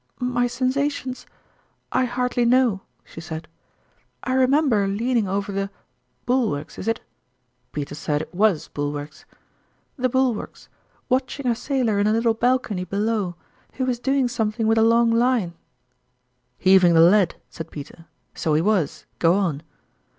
" My sensations ? I hardly know," she said, "I remember leaning over the bulwarks, is it ?" (Peter said it was bulwarks) " the bul warks, watching a sailor in a little balcony be low, who was doing something with a long line" " Heaving the lead," said Peter ;" so he was go on